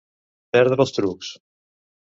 Perdre els trucs.